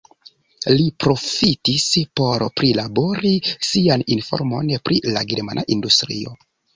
Li profitis por prilabori sian informon pri la germana industrio.